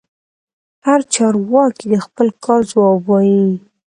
هر چارواکي د خپل کار ځواب وايي.